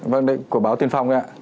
vâng đấy của báo tuyên phong đấy ạ